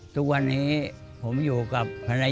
ทุกวันนี้ผมอยู่กับภรรยา